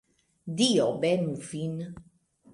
Dio benu vin.